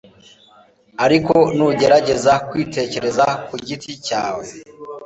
ariko nugerageza kwitekerereza ku giti cyawe